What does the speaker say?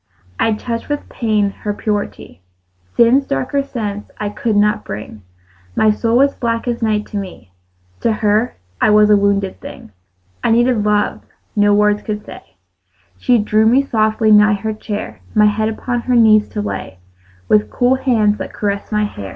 I touched with pain her purity; Sin's darker sense I could not bring: My soul was black as night to me: To her I was a wounded thing. I needed love no words could say; She drew me softly nigh her chair, My head upon her knees to lay, With cool hands that caressed my hair.